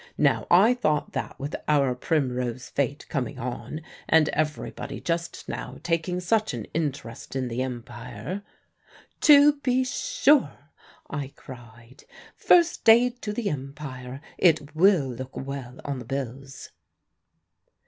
Now I thought that, with our Primrose fete coming on, and everybody just now taking such an interest in the Empire " "To be sure!" I cried. "'First Aid to the Empire' it will look well on the bills."